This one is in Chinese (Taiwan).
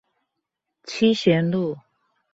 七賢路